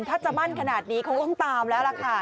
ถ้าจะมั่นขนาดนี้คงต้องตามแล้วล่ะค่ะ